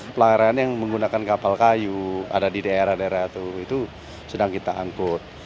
pelayaran yang menggunakan kapal kayu ada di daerah daerah itu sedang kita angkut